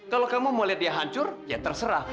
kalau kamu mau lihat dia hancur ya terserah